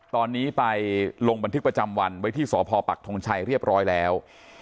ตอนนี้ไปลงบันทึกประจำวันไว้ที่สพปักทงชัยเรียบร้อยแล้ว